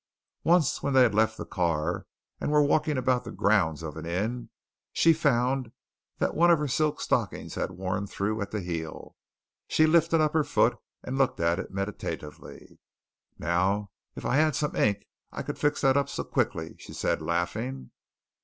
Once when they had left the car and were walking about the grounds of an inn, she found that one of her silk stockings had worn through at the heel. She lifted up her foot and looked at it meditatively. "Now, if I had some ink I could fix that up so quickly," she said, laughing.